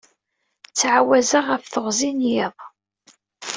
Ttɛawazeɣ ɣef teɣzi n yiḍ.